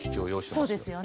そうですよね。